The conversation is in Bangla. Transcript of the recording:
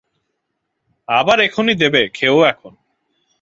আবার এখুনি দেবে, খেয়ো এখন।